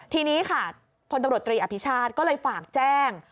ทีนี้ค่ะพลตำรวจตรีอภิชาติก็เลยฝากแจ้ง